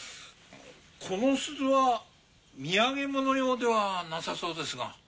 この鈴は土産物用ではなさそうですが。